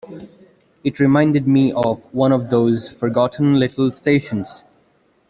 It reminded me of one of those forgotten little stations.